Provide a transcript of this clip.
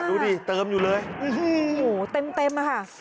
ดูดิเติมอยู่เลยโอ้โหเต็มอะค่ะ